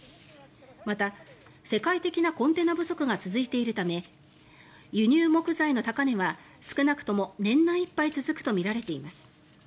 また、世界的なコンテナ不足が続いているため輸入木材の高値は少なくとも年内いっぱい続くとみられています。